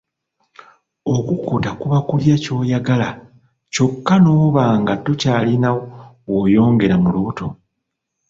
Okukutta kuba kulya ky'oyagala ky'okka n'oba nga tokyalina w'oyongera mu lubuto.